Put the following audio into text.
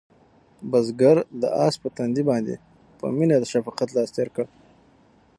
بزګر د آس په تندي باندې په مینه د شفقت لاس تېر کړ.